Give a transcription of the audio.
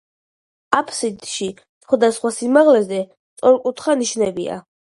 აფსიდში, სხვადასხვა სიმაღლეზე, სწორკუთხა ნიშებია.